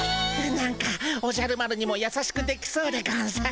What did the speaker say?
なんかおじゃる丸にもやさしくできそうでゴンス。